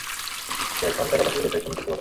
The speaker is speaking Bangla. সে অ্যাকাউন্টে টাকা পাঠিয়ে লোকটাকে খুন করতে বলে।